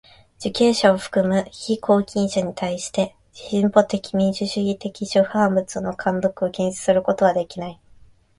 受刑者を含む被拘禁者にたいして進歩的民主主義的出版物の看読を禁止することはできない。